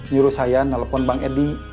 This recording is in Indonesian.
nyuruh saya nelfon bang edi